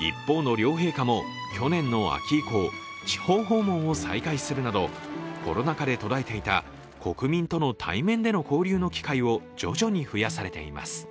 一方の両陛下も、去年の秋以降、地方訪問を再開するなどコロナ禍で途絶えていた国民との対面での交流の機会を徐々に増やされています。